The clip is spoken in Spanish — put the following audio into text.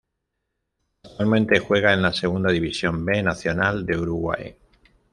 Actualmente juega en la Segunda División B Nacional de Uruguay.